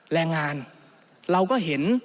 แรงงานเราก็เห็น